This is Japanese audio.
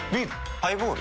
ハイボール？